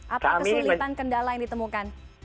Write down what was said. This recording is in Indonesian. apa kesulitan kendala yang ditemukan